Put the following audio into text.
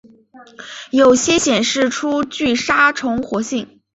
有些显示出具杀虫活性。